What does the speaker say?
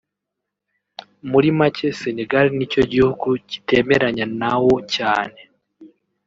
muri make Senegal nicyo gihugu kitemeranya nawo cyane